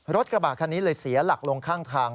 รถกระบะคันนี้เลยเสียหลักลงข้างทาง